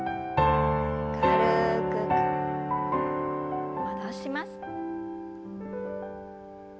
軽く戻します。